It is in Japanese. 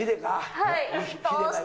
はい。